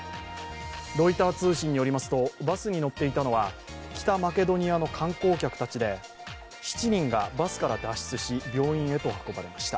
ロイター通信によりますと、バスに乗っていたのは北マケドニアの観光客たちで７人がバスから脱出し病院に搬送されました。